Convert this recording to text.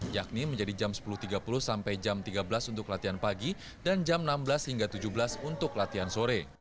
yakni menjadi jam sepuluh tiga puluh sampai jam tiga belas untuk latihan pagi dan jam enam belas hingga tujuh belas untuk latihan sore